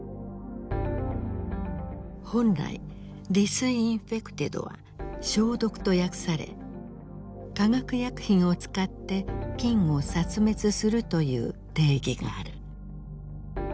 本来「ｄｉｓｉｎｆｅｃｔｅｄ」は「消毒」と訳され化学薬品を使って菌を殺滅するという定義がある。